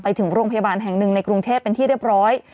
ถึงโรงพยาบาลแห่งหนึ่งในกรุงเทพเป็นที่เรียบร้อย